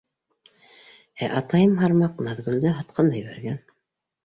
Ә атайым, һармаҡ, Наҙгөлдө һатҡан да ебәргән.